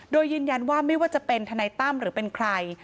โดยยืนยันว่าไม่ว่าจะเป็นทนายตั้มหรือเป็นใคร